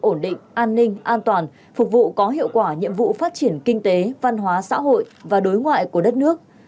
ổn định an ninh an toàn phục vụ có hiệu quả nhiệm vụ phát triển kinh tế văn hóa xã hội và đối ngoại của đất nước